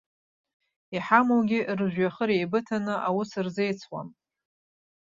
Иҳамоугьы, рыжәҩахыр еибыҭаны аус рзеицуам.